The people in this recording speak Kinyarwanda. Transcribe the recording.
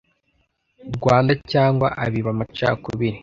rwanda cyangwa abiba amacakubiri